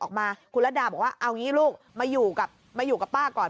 ออกมาคุณระดาบอกว่าเอางี้ลูกมาอยู่กับมาอยู่กับป้าก่อน